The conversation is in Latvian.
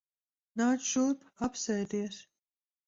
Nāc šurp. Apsēdies.